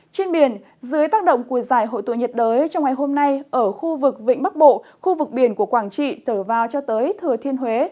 trên biển dưới tác động của giải hội tụ nhiệt đới trong ngày hôm nay ở khu vực vịnh bắc bộ khu vực biển của quảng trị trở vào cho tới thừa thiên huế